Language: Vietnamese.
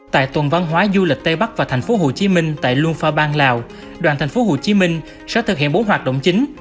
tại tuần văn hóa du lịch tây bắc và thành phố hồ chí minh tại luân pha bang lào đoàn thành phố hồ chí minh sẽ thực hiện bốn hoạt động chính